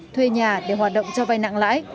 thuê nhà để hoạt động cho vay nặng lãi